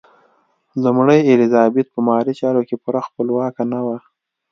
لومړۍ الیزابت په مالي چارو کې پوره خپلواکه نه وه.